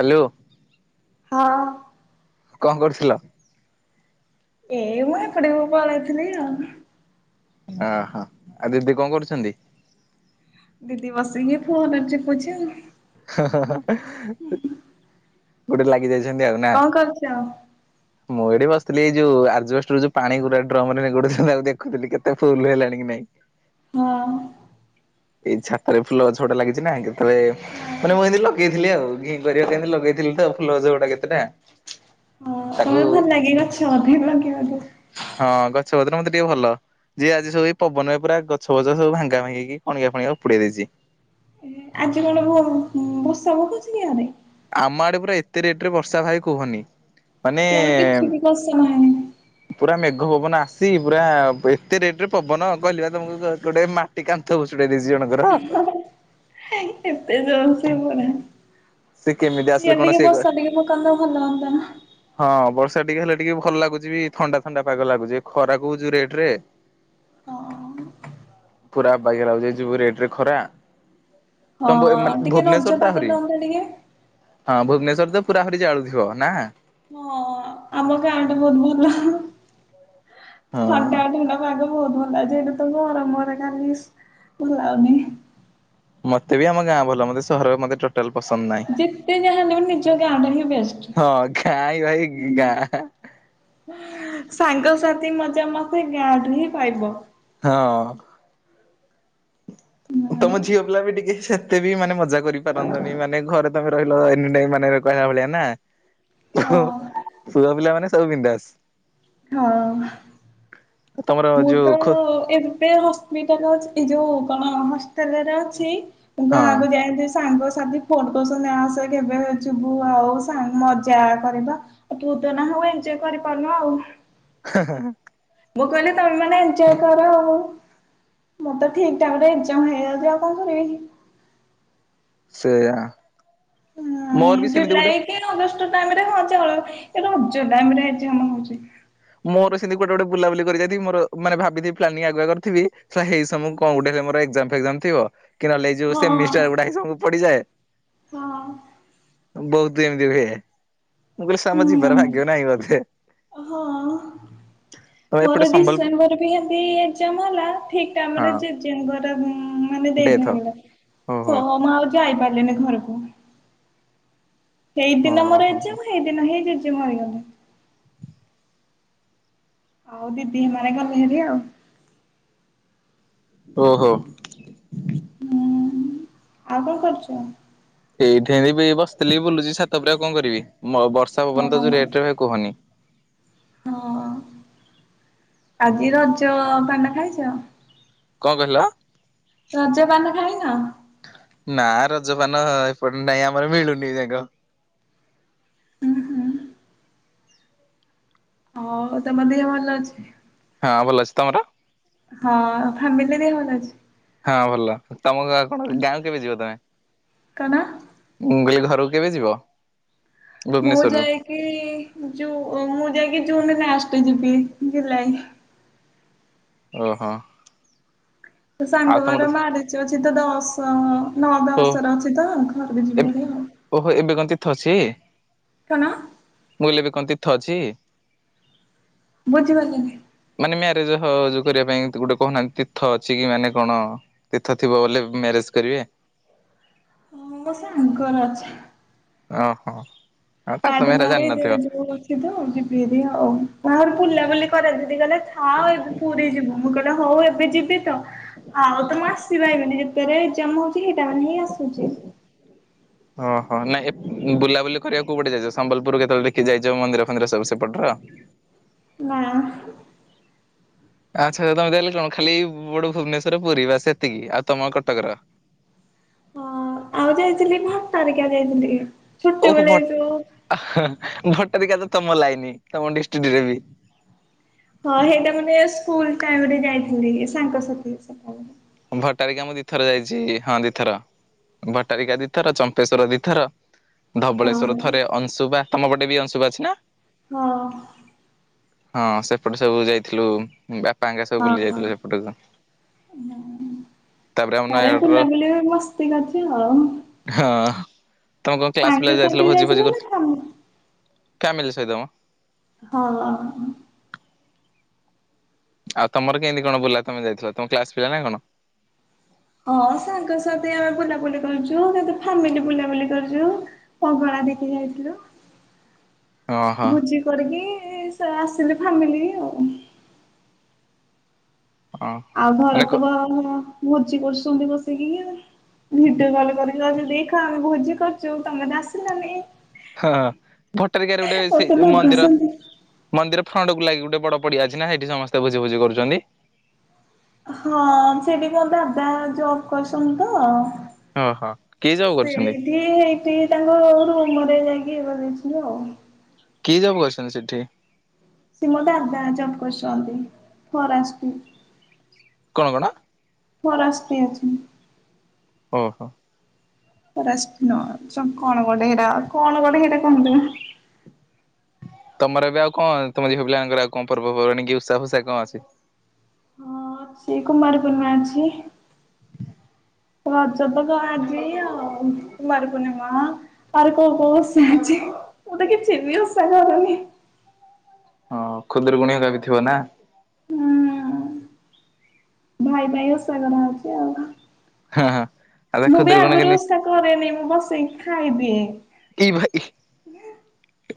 Hello. ହଁ। କଣ କରୁଥିଲ? ଏଇ ମୁଁ ଏଖଟିଆକୁ ପାଳେଇଥିଲି ଆଉ। ଅହଁ ଆଉ ଦିଦି କଣ କରୁଛନ୍ତି? ଦିଦି ବସିକି ଫୋନ୍ ଚିପୁଚି ଆଉ। ଗୋଟେ ଲାଗି ଯାଇଛନ୍ତି ଆଉ ନା। କଣ କରୁଛ? [unintelligible] ମୁଁ ଏଠି ବସିଥିଲି ଏ ଯୋଉ ଆଜିବେଷ୍ଟରୁ ଯୋଉ ପାଣି ଗୁରା ଡ୍ରମ୍ ରେ ନିଗୁଡୁଥିଲା ତାକୁ ଦେଖୁଥିଲି କେତେ ଫୁଲ୍ ହେଲାଣି କି ନାଇଁ। ମଅଁ ଏଇ ଛାତରେ ଫୁଲଗଛ ଗୋଟେ ଲାଗିଛି ନା କେତୋଳେ ହଁ ମାନେ ମୁଁ ଏମିତି ଲଗେଇଥିଲି ଆଉ। ଘିଁ କରିବା ପାଇଁ ତ ଲଗେଇଥିଲି ତ ଫୁଲଗଛ ଗୁଡା କେତେଟା ହଁ ତାକୁ ତମେ ଭଲ ଲାଗେ ଗଛ ବୋଧେ ଲଗେଇବାକୁ? ହଁ ଗଛ ପତ୍ର ମତେ ଟିକେ ଭଲ। ଯେ ଆଜି ସବୁ ପବନ ପାଇଁ ପୁରା ଗଛ ପଛ ଭାଙ୍ଗା ଭାଙ୍ଗିକି କଣିକା ଫଣିକା ଉପୁଡେଇ ଦେଇଚି। ଆଜି କଣ ବହୁ ବର୍ଷା ଭୁକୁଛି କି ଆରେ? ଆମ ଆଡେ ପୁରା ଏତେ ରେଟ୍ ରେ ବର୍ଷା ଭାଇ କୁହନି। ଇଆଡେ ମାନେ କିଛି ବି ବର୍ଷା ନାହିଁ। ପୁରା ମେଘ ପବନ ଆସି ପୁରା ଏତେ ରେଟ୍ ରେ ପବନ କହିଲି ପା ତମକୁ ଗୋଟେ ମା ଟି କାନ୍ଥ ଭସୁଡେଇଚି ଜଣଙ୍କର। ହେଇ ଏତେ ଜଳ ସେ ପରା। ସେ କେମିତି ଆସିଲେ ଇଆଡ଼େ କଣ ଟିକେ ସିଏ କ ବର୍ଷା ଟିକେ ପକାନ୍ତା ଭଲ ହୁଅନ୍ତା ନା। ହଁ ବର୍ଷା ଟିକେ ହେଲେ ଟିକେ ଭଲ ଲାଗୁଛି ବି ଥଣ୍ଡା ଥଣ୍ଡା ପାଗ ଲାଗୁଛି ଖରାକୁ ଯୋଉ ରେଟ୍ ରେ ହଁ। ପୁରା ଅବାଗିଆ ଲାଗୁଚି ଯୋଉ ରେଟ୍ ରେ ଖରା ତମ ମାନେ ଭୁବନେଶ୍ଵର ତା ଆହୁରି। କଣ କହିଲେ? ହଁ ଭୁବନେଶ୍ୱର ତ ପୁରାପରି ଜାଳୁଥିବ ନା। ହଁ ଆମ ଗାଁଟା ବହୁତ ଭଲ ଥଣ୍ଡା ଥଣ୍ଡା ପାଗ। ବହୁତ ଭଲଅଛି ଏଇଠୁ ତ ମର ମର କାଲିସ୍ ଭଲ ଲାଗୁନି। ମତେ ବି ଆମ ଗାଁ ଭଲ, ମତେ ସହରରେ ମତେ ଟୋ ଟୋଟାଲ୍ ପସନ୍ଦ ନାଇଁ ଯେତେ ଯାହା ହେଲେ ବି ନିଜ ଗାଁ ଟା ହିଁ ବେଷ୍ଟ। ହଁ କାଇଁ ଭାଇ ଗାଁ। ସାଙ୍ଗସାଥି ମଜା ମସ୍ତି ଗାଁଠୁ ହିଁ ପାଇବ। ହଁ। ତମ ଝିଅ ପିଲା ବି ଟିକେ ସେତେ ବି ମାନେ ମଜା କରିପାରନ୍ତନି ମାନେ ଘରେ ତମେ ରହିଲ ଏନି ଟାଇମ୍ ମାନେ କହିବା ଭଳିଆ ନା ହଁ ପୁଅ ପିଲାମାନେ ସବୁ ବିନ୍ଦାସ। ହଁ। ତମର ମୁଁ ଯୋଉ ତ ଖୋ ଏବେ ହସ୍ପିଟାଲ୍ ଅଛି ଏଇ ଯୋଉ କଣ ହଷ୍ଟେଲ୍ ରେ ଅଛି ହଁ ଗାଁକୁ ଯାଆନ୍ତି ସାଙ୍ଗ ସାଥି ଫୋନ୍ କରୁଛନ୍ତି ଆସେ କେବେ ଯିବୁ ଆଉ ସାଙ୍ଗ ମଜା କରିବା। ଆଉ ତୁ ତ ନାହୁଁ ଏଞ୍ଜୟ କରିପାରୁନୁ ଆଉ। [inaudible] ମୁଁ କିହିଲି ତମେ ମାନେ ଏଞୟ କର ଆଉ। ମୋର୍ ତ ଠିକ୍ ଟାଇମ୍ ରେ ଏକ୍ଜାମ ହେଇଯାଉଛି ଆଉ କଣ କରିବି? ସେଇଆ। ହଁ ଜୁଲାଇ କି ଅଗଷ୍ଟ ଟାଇମ୍ ରେ ହଁ ଚଳ ଏ ରଜ ଟାଇମ୍ ରେ ଏକ୍ଜାମ୍ ହଉଛି। ମୋର ସେମିତି କୁଆଡେ ଗୋଟେ ବୁଲାବୁଲି କରି ଯାଇଥିବି ମୋର ମାନେ ଭାବିଥିବି ପ୍ଲାନିଂ ଆଗୁଆ କରିିଥିବି ସଳା ହେ ସମୟ କୁ କଣ ଗୋଟେ ମୋର ଏକ୍ଜାମ୍ ଫେକ୍ଜାମ୍ ଥିବ କି ନହେଲେ ଏ ଯୋଉ ହଁ ସେମିଷ୍ଟାର ଗୁଡ଼ାଏ ସବୁ ପଡିଯାଏ। ହଁ। ବହୁତ ଏମିତି ହୁଏ ମୁଁ କହିଲି ସମ ଯିବାର ଭାଗ୍ୟ ହୁଁ ନାହିଁ ବୋଧେ। ହଁ। [inaudible] ମୋର ସମ୍ବଲପୁର ଡିସେମ୍ବରରେ ବିତି ଏକ୍ଜାମ ହେଲା ଠିକ ଟାଇମରେ ହଁ ଜେଜେଙ୍କ ମାନେ ଦେଇ ଡେଥ ହେଇଗଲେ ଓହୋ ମା ବାଉ କି ଯାଇପାରିଲେନି ଘରକୁ। ଏଇ ଦିନ ମୋର ଓହୋ ଏଜମ ହେଇ ଦିନ ହେଇ ଜେଜମ ହାରିଗଲେ। ଆଉ ଦିଦି ହେ ମାନ ଗଲେ ହେରି ଆଉ। ଓହୋ। ହୁଁ ଆଉ କଣ କରୁଛ? ସେଇଠି ବି ବସିଥିଲି ବି ବୁଲୁଛି ସାତ ଉପ ଆଉ କଣ କରିବି ବର୍ଷା ପବନ ତ ହଁ ଯୋଉ ରେଟ ରେ ଭ କୁହନି। ହଁ ଆଜି ରଜ ଭଣ୍ଡା ଖାଇଛ? କଣ କହିଲ? ରଜପାନ ଖାଇନ? ନା ରଜପାନ ଏପଟେ ନାଇଁ ଆମର ମିଳୁନି ଯାକ ହୁଁ ହୁଁ ହଉ ତମ ଦେହ ଭଲ ଅଛି? ହଁ ଭଲ ଅଛି, ତମର? ହଁ ଫାମିଲିରେ ଭଲ ଅଛି। ହଁ ଭଲ, ତମ କଣ ଗାଁ କେବେ ଯିବ ତମେ? କଣ? ମୁଁ କହିଲି ଘରକୁ କେବେ ଯିବ? ମୁଁ ଭୁବନେଶ୍ୱରରୁ ଯାଇକି ମୁଁ ଯାଇକି ଜୁନ ଲାଷ୍ଟ ଯିବି ଜୁଲାଇ। ଓହୋ। ଆଉ ସାଙ୍ଗ ତମର ଘର ମାରିଚ ଅଛି ତ ଦଶ ନଅ ଓ ଦଶ ର ଅଛି ତ ଘର ଏବେ ଯିବାର ଆଉ। ଓହୋ, ଏବେ କଣ ତୀର୍ଥ ଅଛି? କଣ? ମୁଁ କହିଲି ଏବେ କଣ ତୀର୍ଥ ଅଛି? ବୁଝିପାରିଲିନି? ମାନେ ମ୍ୟାରେଜ ଯୋଉ କରିବା ପାଇଁ ଏମିତି ଗୋଟେ କହୁନାହାନ୍ତି ତୀର୍ଥ ଅଛି କି ମାନେ କଣ? ତୀର୍ଥ ଥିବ ବୋଲେ ମ୍ୟାରେଜ କରିବେ। ହଁ ମୋ ସାଙ୍ଗର ଅଛ ଓହୋ। ଆଉ ତାହେଲେ ତମେ ଆଠ ହେରା ନଅରେ ଜାଣିନଥିବ। ଯୋଉ ଅଛି ତ ଯିବିହରି ଆଉ କାହାର ବୁଲାବୁଲି କରଦି ଗଲେ ହଁ ଏବେ ପୁରୀ ଯିବୁ ମୁଁ କହିଲି ହଉ ଏବେ ଯିବି ତ? ଆଉ ତମେ ଆସିବା ଏଇ ମାନେ ଯେତେବେଳେ ଏଜାମ ହଉଛି ସେଇଟା ମାନେ ହିଁ ଆସୁଛି। ଓହୋ ନାଇଁ ବୁଲାବୁଲି କରିବାକୁ କୋଉଗୋଟେ ଯାଗା ଯିବ, ସମ୍ବଲପୁର କେତେବେଳେ ଦେଖି ଯାଇିବ ମନ୍ଦିର ଫନ୍ଦିର ସବୁ ସେପଟର। ନା। ଆଚ୍ଛା ତମେ ଦେଖିଲଲେ କଣ ଖାଲି ବୋଟେ ଭୁବନେଶ୍ଵର ପୁରୀ ବା ସେତିକି ଆଉ ତମ କଟକର। ହଁ ଆଉ ଯାଇଥିଲି ଘଟାରିକା ଯାଇଥିଲି ଛୋଟେ ବେଳେ ଏଯୋଉ ଭଟାରିକା ତ ତମ ଲାଇନି ତମ ଡିଷ୍ଟିଣ୍ଟିରେ ବି। ହଁ ସେଇଟା ମାନେ ସ୍କୁଲ ଟାଇମ ରେ ଯାଇଥିଲି ସାଙ୍ଗସାଥି ସକାଳେ। ଭଟାରିକା ମୁଁ ଦିଥର ଯାଇଛି ହଁ ଦିଥର। ଭଟ୍ଟାରିକା ଦିଥର, ଚମ୍ପେଶ୍ଵର ଦିଥର। ଧବଳେଶ୍ୱର ହଁ ଥରେ, ଅଂଶୁବା ତମ ପଟେ ବି ଅଂଶୁବା ଅଛି ନା? ହଁ। ହଁ ସେପଟେ ସବୁ ଯାଇଥିଲୁ ବାପାଆଙ୍କା ସବୁ ବୁଲି ଯାଇଥିଲୁ ସେପଟକୁ। ଉଁହୁଁ, ତାପରେ ଆମ ତାରା ନୟାଗଡର ବୁଲା ବୁଲି ବି ମସ୍ତି କରିଛି ଆଉ। ହଁ ତମେ କଣ କ୍ଲାସ ପିଲା ଯାଇଥିଲ ସାଙ୍ଗସାଥି ଭୋଜି ଭୋଜି ନା କରି ତମେ? ଫ୍ୟାମିଲି ସହିତ ମ। ହଁ। ଆଉ ତମର କେଏଁତି କଣ ବୁଲା ତମେ ଯାଇଥିଲ ତମ କ୍ଲାସ ପିଲ ନା କଣ? ହଁ ସାଙ୍ଗ ସାଥି ଆମେ ବୁଲାବୁଲି କରିଚୁ, କିନ୍ତୁ ଫାମିଲି ବୁଲାବୁଲି କରିଚୁ। ପହଳା ଦେଖି ଯାଇଥିଲୁ। [inaudible] ଭୋଜି କରିକି ସେ ଆସିଲେ ଫାମିଲି ଆଉ। ଓ ଆଉ ଘରେ ମାନେ କ ତ ବ ଭ ଭୋଜି କରୁଛନ୍ତି ବସିକି ଆଉ। ଭିଡିଓ କଲ କରିକି କହୁଚି ଦେଖ ଆମେ ଭୋଜି କରୁଚୁ ତମେ ତ ଆସିଲନି। ହଁ ଭଟ୍ଟାରିକାରେ ଗୋଟେ ସେ ମତେ ମନ୍ଦିର ଲଗଉଛନ୍ତି ମନ୍ଦିର ଫ୍ରଣ୍ଡକୁ ଲାଗି ଗୋଟେ ବଡ ପଡିଆ ଅଛି ନା ସେଠି ସମସ୍ତେ ଭୋଜି ଫୋଜି କରୁଚନ୍ତି। ହଁ ସେଠି ମୋ ଦାଦା ଜବ୍ କରିଛନ୍ତି ତ। ଓହୋ କି ଜବ୍ କରୁଛନ୍ତି ସେଇଠି ହେଇଠି ତାଙ୍କ ରୁମ ରେ ଯାଇକି ବନେଇ ଥିଲୁ ଆଉ। କି ଜବ କରିଛନ୍ତି ସେଠି? ସେ ମୋ ଦାଦା ଜବ କରଛନ୍ତି ଫରାଷ୍ଟି କଣ କଣ? ଫରାଷ୍ଟି ଅଛି। ଓହୋ। ଫରାଷ୍ଟି ନୁହ ଚ କଣ ଗୋଟେ ହେଇରା କଣ ଗୋଟେ ହେରା କହନ୍ତି ମ ତମର ଏବେ ଆଉ କଣ ତମ ଝିଅ ପିଲାଙ୍କର ଆଉ କଣ ପର୍ବ ପର୍ବାଣୀ କି ଉଷା ଫୁଷା କଣ ଅଛି? ସେଇ କୁମାର ପୂର୍ଣ୍ଣିମା ଅଛି। [inaudible] ରଜ ତ କ ଆଜି ଆଉ କୁମାର ପୂର୍ଣ୍ଣିମା ଆରେ କୋଉ କୋଉ ଓସା ଅଛି ମୁଁ ତ କିଛି ବି ଓସା କରୁନି। ହଁ ଖୁଦୁରୁକୁଣି ହକା ବି ଥିବା ନା। ହୁଁ ଭାଇ ପାଇଁ ଓଷା କରା ହଉଚି ଆଉ। ହଁ ହଁ। ଆବେ ମୁଁ ବି ଖୁଦୁରୁକୁଣୀ ଆଗରୁ କେମିତି ଓଷା କରେନି ମୁଁ ବସିକି ଖାଇଦିଏ। ଇ ଭାଇ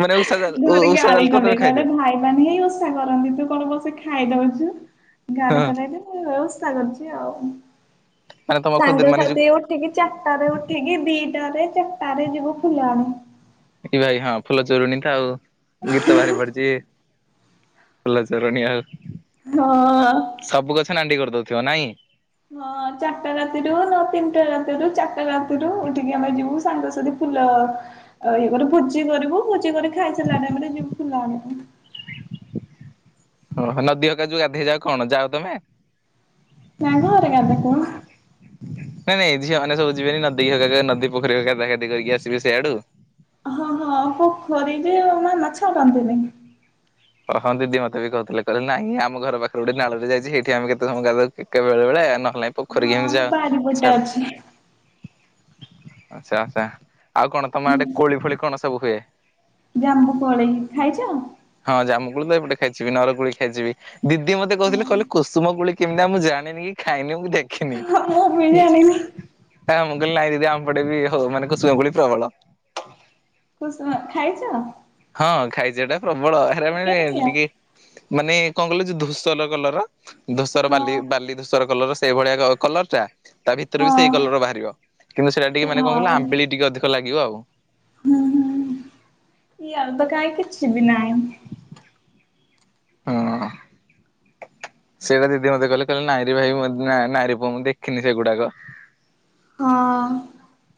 ମାନେ ଓଷା ଜାଲ ଘରେ ଓଷା ଗାଳି ଜାଲ ତ କଲେ ତମେ କହିଲେ ଖାଇଦିଅ। ଭାଇମାନେ ହିଁ ଓଷା ଓଷା କରନ୍ତି ତୁ କଣ ବସି ଖାଇ ଦଉଚୁ ହଁ ଗାଳି କଲେ ହେଇଠୁ। ଏ ଏ ଓଷା କରୁଚି ଆଉ ମାନେ ତମ ଖୁଦୁରୁ ସାଙ୍ଗ ମାନେ ସା ଯୋଉ ଉଠିକି ଚାରିଟାରେ ଉଠିକି ଦିଟାରେ ଚାରିଟରେ ଯିବୁ ଫୁଲ ଆଣି। ଏଇ ଭାଇ ହଁ ଫୁଲ ଚୋରଣି ତ ଆଉ ଗୀତ ବାହାରି ପଡିଚି। ଫୁଲ ଚୋରଣୀ ଆଉ। ହଁ। ସବୁ ଗଛ ନାଣ୍ଡି କରିଦଉଥିବ ନାଇଁ? ହଁ ଚାରିଟା ରାତିରୁ ନ ତିନିଟା ରାତି ରୁ ଚାରିଟା ରାତିରୁ ଉଠିକି ଆମେ ଯିବୁ ସାଙ୍ଗ ସାଦି ଫୁଲ ଇଏ କରୁ ଭୋଜି କରିବୁ ଭୋଜି କରି ଖାଇସାରିଲା ଟାଇମ ରେ ଯିବୁ ଫୁଲ ଆଣି। ଓ ନଦୀ ହକା ଯୋଉ ଗାଧେଇ ଯାଅ କଣ ଯାଅ ତମେ? ନା ଘରେ ଗାଧୋଉ [inaudible] ନାଇଁ ନାଇଁ ଝିଅ ମାନେ ସବୁ ଯିବେନି ନଦୀ ହକା ନଦୀ ପୋଖରି ହାକା ଗାଧା ଗାଧି କରିକି ଆସିବେ ସିଆଡୁ। ହଁ ହଁ ପୋଖରୀ ରି ରେ ମାମା ଛାଡ଼ନ୍ତି ନି। ଓ ହଁ ଦିଦି ମତେ ବି କହୁଥିଲେ କହିଲେ ନାଇଁ ଆମର ପାଖରେ ଗୋଟେ ନାଳ ଟେ ଯାଇଛି ହେଇଠି ଆମେ କେତେ ସମୟ ଗଧଉ ବେଳେ ବେଳେ ନହେଲେ ହଁ ପୋଖରୀ ଆମେ ଆମ ଯା ବାରି ପଟେ ଅଛି ଛାଡ଼ ଆଛା ଆଛା ଆଉ କଣ ତମ ଆଡେ କୋଳି ଫୋଳି କଣ ସବୁ ହୁଏ? ଜାମ୍ୱୁ କୋଳି ଖାଇଚ? ହଁ ଜାମୁ କୁଳି ତ ଏପଟେ ଖାଇଚିବି ନର କୁଳି ଖାଇଚିବି ଦିଦି ମତେ କହିଥିଲେ କହିଲ କୁସୁମ କୋଳି କେମିତା କା ମୁଁ ଜାଣି କି ଖାଇନି ମୁ ଦେଖ ହଁ ମୁଁ ବି ଜାଣିନି। ମୁଁ କହିଲ ନାଇଁ ଦିଦି ଆମପଟେ ବି ହଉ ମାନେ କୁସୁମ କୁଳି ପ୍ରବଳ। କୁସୁମ ଖାଇଚ? ହଁ ଖାଇଚି ହେଟା ପ୍ରବଳ ହେରା ମାନେ କେମିତିଆ? ଟିକେ ମାନେ କଣ କଲେ ଯେ ଧୂସର କଲର ଧୂସର ବାଲି ହଁ ବାଲି ଧୂସର କଲର ସେଇ ଭଳିଆ କଲର ଟା ତା ଭିତରେ ବି ହଁ ସେଇ କଲର ବାହାରିବ କିନ୍ତୁ ସେଟା ଟିକେ ମାନେ କଣ କହ ହଉ ଆମ୍ବିଳି ଟିକେ ଅଧିକ ତ ଲାଗିବ ଆଉ। ହୁଁ ହୁଁ ଇ ଅଳ୍ପ କାହିଁ କିଛି ବି ନାହିଁ। ହଁ। ସେଟା ଦିଦି ମତେ କହିଲେ କହିଲେ ନାଇ ଭାଇ ନାଇ ପୁଅ ମୁଁ ଦେଖିନି ସେଗୁଡାକ? ହଁ।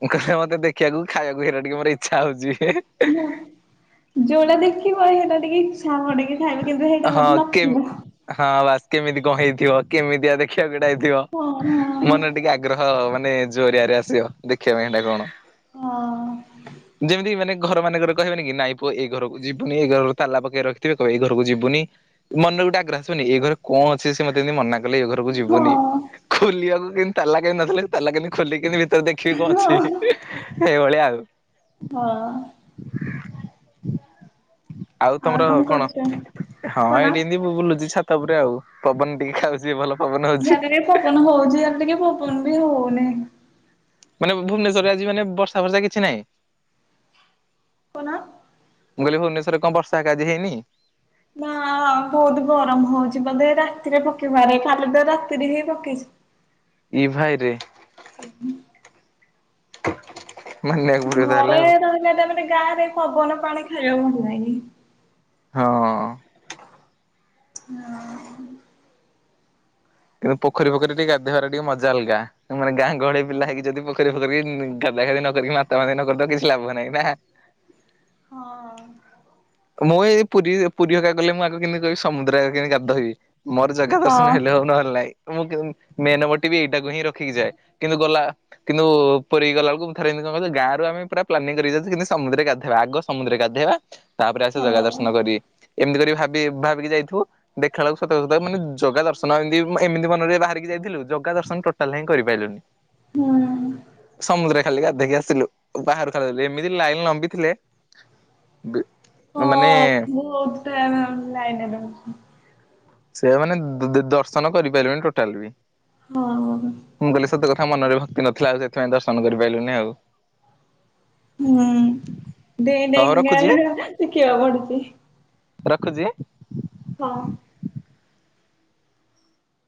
ମୁଁ କହିଲେ ମତେ ଦେଖିବାକୁ ଖାଇବାକୁ ହେଇରା ଟିକ ମୋର ଇଚ୍ଛା ହୋଉଛି। ନାଁ ଯୋଉଟା ଦେଖିବ ହେଇଟା ଟିକେ ଇଛା ହବ ଟିକେ ଖାଇବ କିନ୍ତୁ ସେଇଟା ହଁ ଗୋଟେ କେ ନଥିବ। ହଁ ବାସ୍ କେମିତି କଣ ହେଇଥିବ? କେମିତିଆ ଦେଖିବାକୁ ହେଇଟା ହେଇଥିବ? ହଁ ହଁ ମନେ ଟିକେ ଆ ଗ୍ରହ ମାନେ ଜୋରିଆରେ ଆସିବ। ଦେଖିବା ପାଇଁ ସେଟା କଣ? ହଁ। ଯେମିତି ମାନେ ଘର ମାନକରେ କହିବେନି ନାଇ ପୁଅ ଏଇ ଘରକୁ ଯିବୁନି। ଏଇ ଘର ତାଲା ପକେଇକି ରଖିଥିବେ। ତ ଏଇ ଘରକୁ ଯିବୁନି ମନରେ ଗୋଟେ ଆଗ୍ରହ ଆସିବନି ଏଇ ଘରେ କଣ ଅଛି ସେ ମତେ ଏମିତି ମନା କହିଲେ ଏ ଘରକୁ ହଁ ଯିବୁନି। ଖୋଲିବାକୁ କେମ୍‌ତି ତାଲା କେମ୍‌ତି ନଥିଲେ ତାଲା କେମ୍‌ତି ଖୋଲ କେତି ଭିତରେ ଦେଖିକି କଣ ଅଛି ହଁ। ଏଇଭଳିଆ ଆଉ। ହଁ। ଆଉ ତମର କଣ? ହଁ କଣ? ଏଇଠି ଏମିତି ମୁଁ ବୁଲୁଛି ଛାତ ଉପରେ ଆଉ। ପବନ ଟିକେ ଖାଉଛି ଭଲ। ପବନ ହଉଛି। ୟାଟା ରେ ପବନ ହଉଛି ଟିକେ ୟିଆଡ଼େ ପବନ ବି ହଉନି। ମାନେ ଭୁବନେଶ୍ୱରରେ ଆଜି ମାନେ ବର୍ଷା ବର୍ଷା କିଛି ନାହିଁ। ପନ? ମୁଁ କହିଲି ଭୁବନେଶ୍ୱରେ କଣ ବର୍ଷା ହାକା ଆଜି ହେଇନି? ନା ବହୁତ ଗରମ ହଉଛି ବୋଧେ ରାତିରେ ପକେଇବାରେ ଖାଲି ତ ରାତିରେ ହିଁ ପକେଇଛି। ଏ ଭାଇ ରେ? ହୁଁ। ମାନିବାକୁ ପଡିବ ତାହେଲେ ଘରେ ଆଉ ରହିଲେ ତା ମାନେ ଗାଁରେ ପବନ ପାଣି ଖାଇବାକୁ [unintelligible] ନାହିଁ। ହଁ। ହଁ। କିନ୍ତୁ ପୋଖରୀ ଫୋଖରୀ ଟିକେ ଗାଧେଇବାର ଟିକେ ମଜା ଅଲଗା। ମାନେ ଗାଁ ଗହଳି ପିଲା ହେଇକି ଯଦି ପୋଖରୀ ଫୋଖରୀ ଗାଧା ଗାଧି ନକରି ମାତା ମାତି ନକରିତ କିଛି ଲାଭ ନାହିଁ ନା। ହଁ। ମୁଁ ଏଇ ପୁରୀ ପୁରୀ ହକା ଗଲେ ମୁଁ ଆଗ କେମିତି କହିବି ସମୁଦ୍ର ଆଗ କି ଗାଧ ହେବି ମୋର ଜାଗା ଦର୍ଶନ ହଁ ହେଲେ ହୋଉ ଲାଇ ମୁଁ ମେନ୍‌ବଟି ବି ଏଇଟାକୁ ହିଁ ରଖିକି ଯାଏ କିନ୍ତୁ ଗଲା କିନ୍ତୁ ପୁରୀ ଗଲାବେଳକୁ ମୁଁ ଥରେ ଏମିତି କଣ କ ଗାଁରୁ ଆମେପୁରା ପ୍ଲାନିଂ କରିକି ଯାଉଛୁ। କିନ୍ତୁ ସମୁ୍ରରେ ଗାଧେବା ଆଗ ସମୁଦ୍ରରେ ଗାଧେଇବା ତାପରେ ଆସ ଜଗା ହୁଁ। ଦର୍ଶନ କରି। ଏମିତି କରି ଭାବି ଭାବିକି ଯାଇଥିବୁ। ଦେଖା ବେଳକୁ ସତ ସତକୁ ମାନେ ଜଗା ଦର୍ଶନ ଏମିତି ଏମିତି ମନରେ ବାହାରିକି ଯାଇଥିଲୁ ଜଗା ଦର୍ଶନ ଟୋଟାଲ୍ ହିଁ କରିପାରିଲୁନି। ହୁଁ। ସମୁଦ୍ରରେ ଖାଲି ଗାଧେଇ ଆସିଲୁ। ବାହାରୁ ଖା ଏମିତି ଲାଇନ୍‌ ଲମ୍ବି ଥିଲେ। ମାନେ ହଁ ବହୁତ ଟାଇମ୍ ଲାଇନରେ ରହୁଛି। ସେ ମାନେ ଦର୍ଶନ କରିପାରିବେନି ଟୋଟାଲ୍ ବି। ହଁ। ମୁଁ କହିଲେ ସତ କଥା ମନରେ ଭକ୍ତି ନଥିଲା ଆଉ। ସେଥିପାଇଁ ଦର୍ଶନ କରିପାରିଲୁନି ଆଉ। ହୁଁ ହଉ ଦେଇଡେଙ୍ଗା ରଖୁଛି ଶିଖିବାକୁ ପଡୁଛି। ରଖୁଚି? ହଁ।